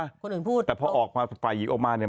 คนอื่นพูดแต่พอออกมาฝ่ายหญิงออกมาเนี่ย